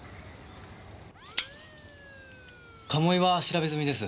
鴨居は調べ済みです。